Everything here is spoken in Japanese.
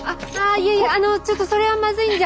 いやいやあのちょっとそれはまずいんじゃ。